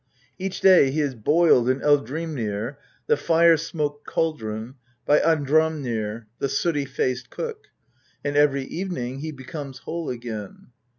Each day he is boiled in Eldhrimnir (the fire smoked cauldron) by Andhrimnir (the sooty faced cook), and every evening he becomes whole again.